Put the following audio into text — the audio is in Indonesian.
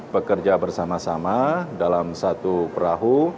bekerja bersama sama dalam satu perahu